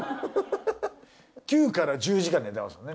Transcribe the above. ９から１０時間寝てますもんね。